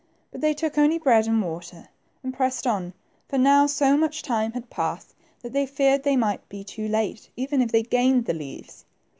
But they took only bread and water, and pressed on, for now so much time had passed that they feared they might be too late, even if they gained the leaves.